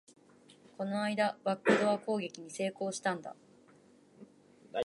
この間、バックドア攻撃に成功したんだ